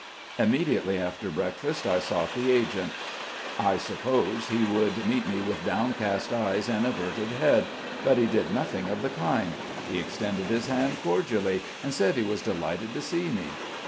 Immediately after breakfast I sought the agent. I supposed he would meet me with downcast eyes and averted head, but he did nothing of the kind; he extended his hand cordially, and said he was delighted to see me.